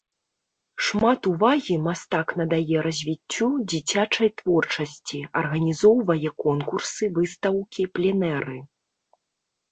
Шмат увагі мастак надае развіццю дзіцячай творчасці, арганізоўвае конкурсы, выстаўкі, пленэры.